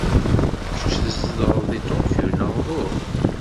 Kecc tzedɣed deg Tokyo, neɣ uhu?